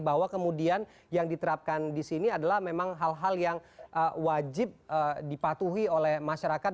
bahwa kemudian yang diterapkan di sini adalah memang hal hal yang wajib dipatuhi oleh masyarakat